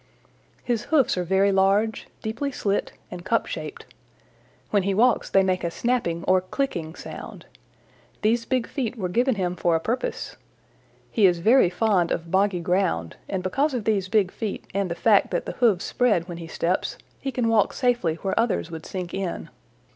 "His hoofs are very large, deeply slit, and cup shaped. When he walks they make a snapping or clicking sound. These big feet were given him for a purpose. He is very fond of boggy ground, and because of these big feet and the fact that the hoofs spread when he steps, he can walk safely where others would sink in.